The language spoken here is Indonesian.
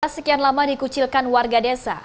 sekian lama dikucilkan warga desa